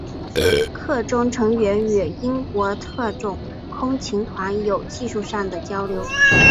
课中成员与英国特种空勤团有技术上的交流。